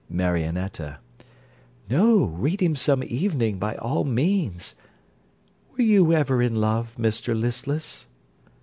MARIONETTA No, read him some evening, by all means. Were you ever in love, Mr Listless?